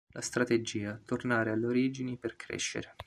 La strategia: tornare alle origini per crescere.